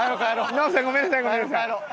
ノブさんごめんなさいごめんなさい。